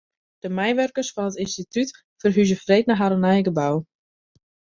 De meiwurkers fan it ynstitút ferhúzje freed nei harren nije gebou.